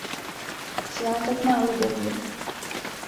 Svátek má Lubomír.